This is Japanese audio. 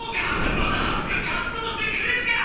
またあつく活動してくれるか！